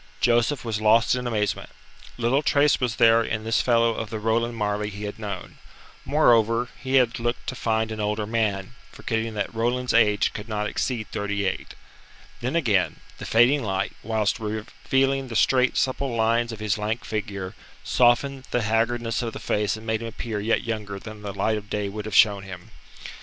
Joseph was lost in amazement. Little trace was there in this fellow of the Roland Marleigh he had known. Moreover, he had looked to find an older man, forgetting that Roland's age could not exceed thirty eight. Then, again, the fading light, whilst revealing the straight, supple lines of his lank figure, softened the haggardness of the face and made him appear yet younger than the light of day would have shown him.